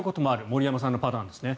森山さんのパターンですね。